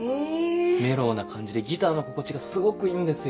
メロウな感じでギターの心地がすごくいいんですよ。